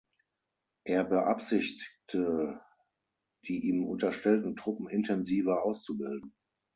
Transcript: Er beabsichtigte die ihm unterstellten Truppen intensiver auszubilden.